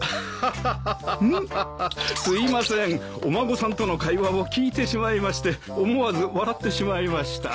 すいませんお孫さんとの会話を聞いてしまいまして思わず笑ってしまいました。